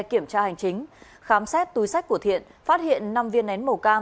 kiểm tra hành chính khám xét túi sách của thiện phát hiện năm viên nén màu cam